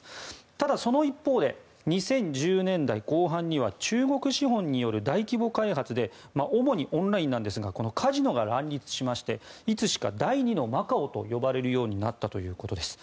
ただ、その一方で２０１０年代後半には中国資本による大規模開発で主にオンラインなんですがカジノが乱立しましていつしか第２のマカオと呼ばれるようになったということです。